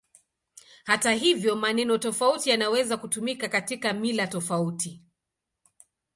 Hata hivyo, maneno tofauti yanaweza kutumika katika mila tofauti.